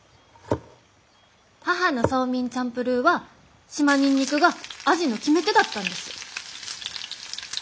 母のソーミンチャンプルーは島ニンニクが味の決め手だったんです。